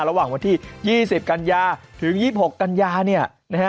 ระหว่างวันที่๒๐กันยาถึง๒๖กันยาเนี่ยนะฮะ